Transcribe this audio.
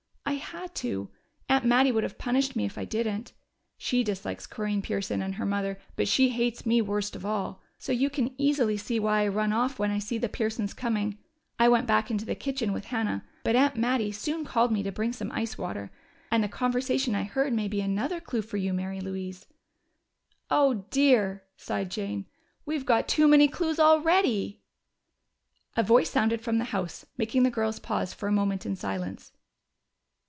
"I had to. Aunt Mattie would have punished me if I hadn't. She dislikes Corinne Pearson and her mother, but she hates me worst of all.... So you can easily see why I run off when I see the Pearsons coming. I went back into the kitchen with Hannah, but Aunt Mattie soon called me to bring some ice water. And the conversation I heard may be another clue for you, Mary Louise." "Oh, dear!" sighed Jane. "We've got too many clues already." A voice sounded from the house, making the girls pause for a moment in silence.